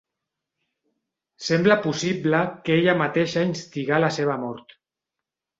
Sembla possible que ella mateixa instigà la seva mort.